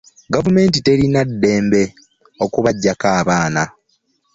Gavumenti erina eddembe okubaggyako abaana.